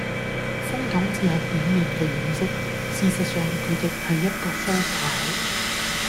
風筒只係表面嘅掩飾，事實上，佢亦係一個鬚刨